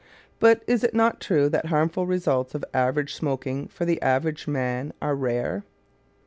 But is it not true that harmful results of average smoking for the average man are rare?"